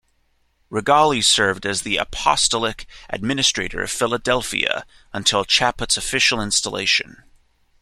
Rigali served as the Apostolic Administrator of Philadelphia until Chaput's official installation.